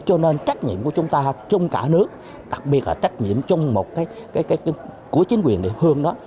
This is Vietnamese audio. cho nên trách nhiệm của chúng ta trong cả nước đặc biệt là trách nhiệm trong một cái của chính quyền địa phương đó